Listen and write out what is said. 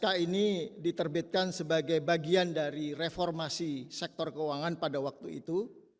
kpk ini diterbitkan sebagai bagian dari reformasi sektor keuangan pada waktu itu